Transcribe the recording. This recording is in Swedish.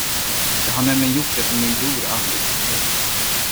Jag har nämligen gjort det som min bror aldrig kunde.